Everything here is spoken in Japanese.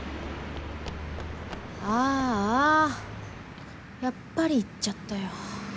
ああやっぱり行っちゃったよ。